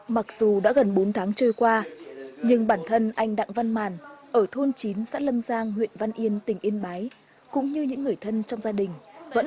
mặc dù đã gần bốn tháng trôi qua nhưng bản thân anh đặng văn màn ở thôn chí văn